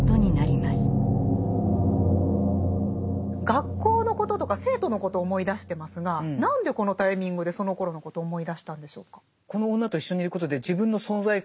学校のこととか生徒のことを思い出してますが何でこのタイミングでそのころのことを思い出したんでしょうか？